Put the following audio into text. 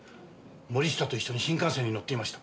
森下と一緒に新幹線に乗っていました。